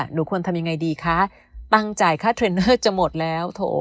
หนูควรทำยังไงดีคะตั้งจ่ายค่าเทรนเนอร์จะหมดแล้วโถ